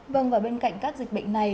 vâng và bên cạnh các dịch bệnh này